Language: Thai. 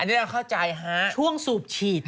อันนี้เราเข้าใจฮะช่วงสูบฉีด